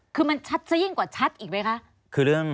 คือมันชัดซะยิ่งกว่าชัดอีกไหมคะ